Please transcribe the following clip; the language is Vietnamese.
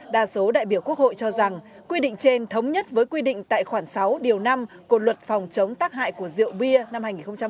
đa số đại biểu quốc hội cho rằng quy định trên thống nhất với quy định tại khoảng sáu điều năm của luật phòng chống tác hại của rượu bia năm hai nghìn một mươi ba